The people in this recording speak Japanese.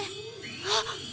あっ！